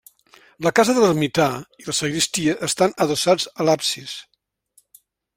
La casa de l'ermità i la sagristia estan adossats a l'absis.